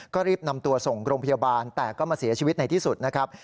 ก็รีบนำตัวส่งโรงพยาบาลแต่ก็มาเสียชีวิตในที่สุดนะครับ